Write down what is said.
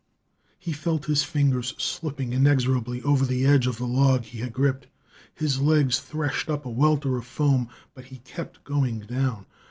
He felt his fingers slipping inexorably over the edge of the log he had gripped; his legs threshed up a welter of foam, but he kept going down.